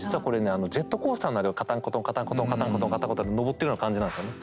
あのジェットコースターのカタンコトンカタンコトンカタンコトンカタンコトン上ってるような感じなんですよね。